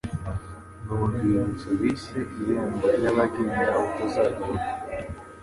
ni urwibutso bise “Irembo ry'Abagenda Ubutazagaruka,”